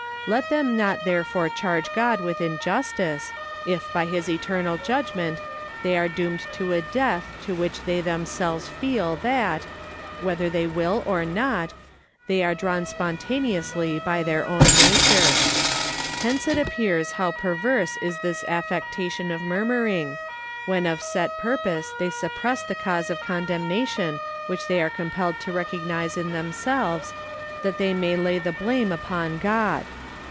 Let them not therefore charge God with injustice, if by his eternal judgment they are doomed to a death to which they themselves feel that, whether they will or not, they are drawn spontaneously by their own nature. Hence it appears how perverse is this affectation of murmuring, when of set purpose they suppress the cause of condemnation which they are compelled to recognize in themselves, that they may lay the blame upon God.